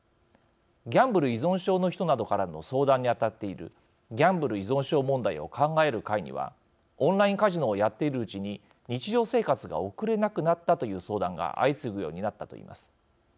ギャンブル依存症の人などからの相談に当たっているギャンブル依存症問題を考える会には、オンラインカジノをやっているうちに日常生活が送れなくなったという相談が相次ぐようになったといいます。